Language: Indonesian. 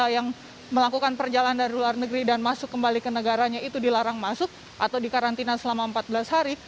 yang melakukan perjalanan dari luar negeri dan masuk kembali ke negaranya itu dilarang masuk atau dikarantina selama empat belas hari